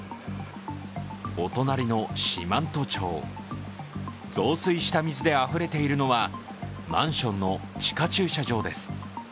お隣の四万十町、増水した水であふれているのはマンションの地下駐車場です。